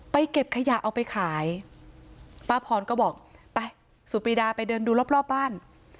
เก็บขยะเอาไปขายป้าพรก็บอกไปสุปรีดาไปเดินดูรอบรอบบ้าน